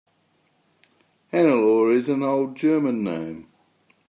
Hannelore is an old German name.